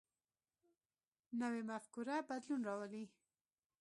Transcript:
نوی مفکوره بدلون راولي